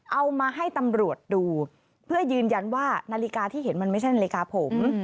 เอามาให้ตำรวจดูเพื่อยืนยันว่านาฬิกาที่เห็นมันไม่ใช่นาฬิกาผม